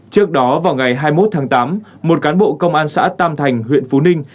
trước đó vào ngày hai mươi một tháng tám một cán bộ công an xã tam thành huyện phú ninh